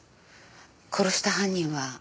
殺した犯人は？